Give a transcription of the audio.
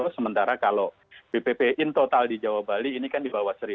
sementara kalau bpp in total di jawa bali ini kan di bawah satu